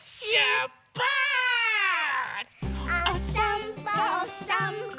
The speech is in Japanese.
おさんぽおさんぽ。